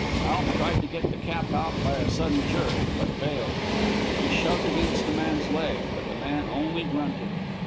Alf tried to get the cap out by a sudden jerk, but failed. He shoved against the man's leg, but the man only grunted.